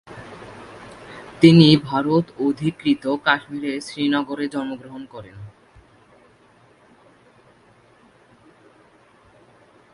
তিনি ভারত অধিকৃত কাশ্মীরের শ্রীনগরে জন্মগ্রহণ করেন।